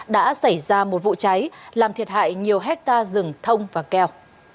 đã xảy ra một vụ cháy làm thiệt hại nhiều hectare rừng thông và keo